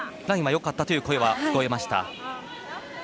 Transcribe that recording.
ラインはよかったという声聞こえました。